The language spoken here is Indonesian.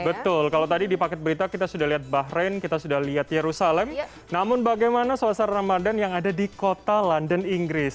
betul kalau tadi di paket berita kita sudah lihat bahrain kita sudah lihat yerusalem namun bagaimana suasana ramadan yang ada di kota london inggris